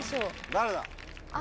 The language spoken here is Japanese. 誰だ？